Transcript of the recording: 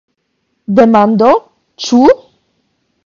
Demando: Ĉu?